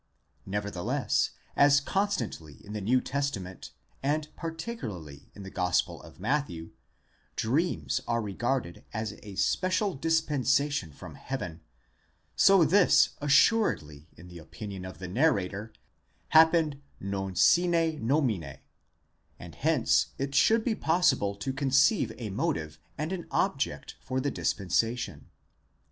® Nevertheless, as constantly in the New Testament, and particularly in the Gospel of Matthew, dreams are regarded as a special dispensation from heaven, so this assuredly in the opinion of the narrator happened mom sine numine ; and hence it should be possible to conceive a motive and an object for the dispensation.